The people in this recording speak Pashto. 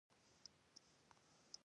ویلاسان ګایواني مسینا تاورمینا ته ولاړم.